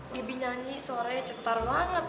bebi nyanyi suaranya cetar banget